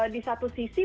di satu sisi